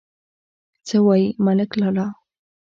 _څه وايې، ملک لالا!